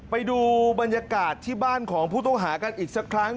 ไปดูบรรยากาศที่บ้านของผู้ต้องหากันอีกสักครั้ง